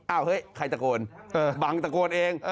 อ้าวเฮ้ยใครตะโกนเออบังตะโกนเองเออ